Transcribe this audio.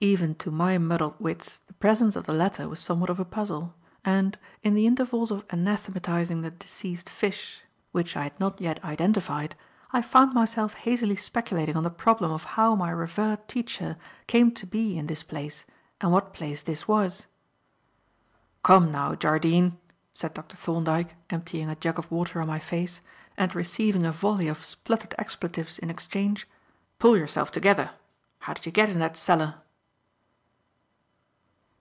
Even to my muddled wits, the presence of the latter was somewhat of a puzzle, and, in the intervals of anathematizing the deceased fish which I had not yet identified I found myself hazily speculating on the problem of how my revered teacher came to be in this place, and what place this was. "Come, now, Jardine," said Dr. Thorndyke, emptying a jug of water on my face, and receiving a volley of spluttered expletives in exchange, "pull yourself together. How did you get in that cellar?"